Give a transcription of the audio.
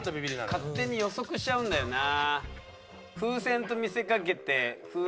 勝手に予測しちゃうんだよなあ。